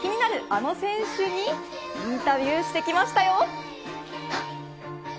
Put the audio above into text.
あの選手にインタビューしてきましたよ。